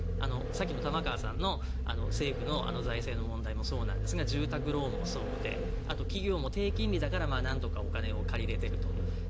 さっきの玉川さんの政府の財政の問題もそうなんですが住宅ローンもそうであとは企業も低金利だからなんとかお金を借りられていると。